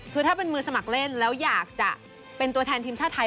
คือถ้าเป็นมือสมัครเล่นแล้วอยากจะเป็นตัวแทนทีมชาติไทย